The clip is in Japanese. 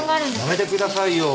やめてくださいよ。